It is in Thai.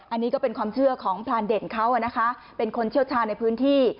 อันนี้ก็เป็นความเชื่อของพรานเด่นเขานะคะเป็นคนเชี่ยวชาญในพื้นที่